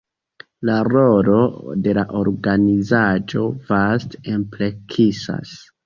La rolo de la organizaĵo vaste ampleksas.